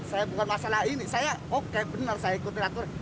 saya bukan masalah ini saya oke bener saya ikut reaktor